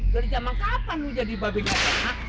dari zaman kapan lo mau jadi babi ngepet